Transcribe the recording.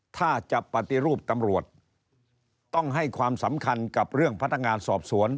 ถ้าจะปฏิรูปตำรวจต้องให้ความสำคัญกับเรื่องพนักงานสอบสวน